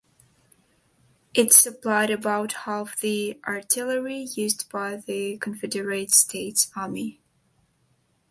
It supplied about half the artillery used by the Confederate States Army.